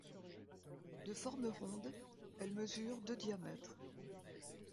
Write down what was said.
De forme ronde, elle mesure de diamètre.